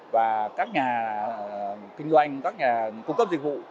và các nhà kinh doanh các nhà cung cấp dịch vụ